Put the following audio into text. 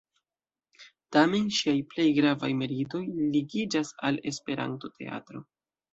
Tamen ŝiaj plej gravaj meritoj ligiĝas al Esperanto-teatro.